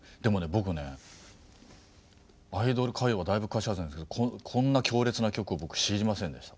僕ねアイドル歌謡はだいぶ詳しいはずなんですけどこんな強烈な曲を僕知りませんでした。